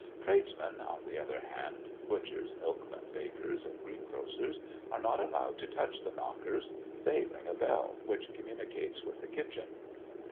Tradesmen, on the other hand, butchers, milkmen, bakers, and green grocers, are not allowed to touch the knockers they ring a bell which communicates with the kitchen.